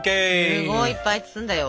すごいいっぱい包んだよ！